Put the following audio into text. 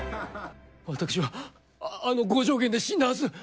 私はあの五丈原で死んだはず。